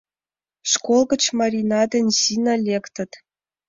Школ гыч Марина ден Зина лектыт.